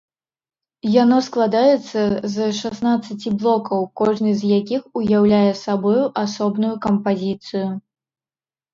Яно складаецца з шаснаццаці блокаў, кожны з якіх уяўляе сабою асобную кампазіцыю.